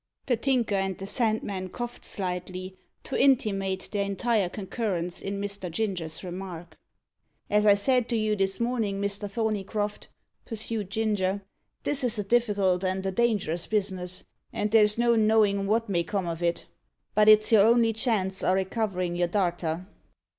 The Tinker and the Sandman coughed slightly, to intimate their entire concurrence in Mr. Ginger's remark. "As I said to you this mornin', Mr. Thorneycroft," pursued Ginger, "this is a difficult and a dangerous bus'ness, and there's no knowin' wot may come on it. But it's your only chance o' recoverin' your darter."